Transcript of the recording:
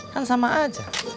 kan sama aja